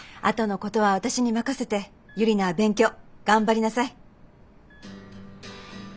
あとのことは私に任せてユリナは勉強頑張りなさい。